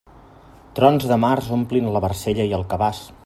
Trons de març omplin la barcella i el cabàs.